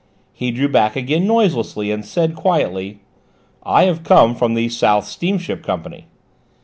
He drew back again noiselessly, and said quietly: "I have come from the South Steamship Company."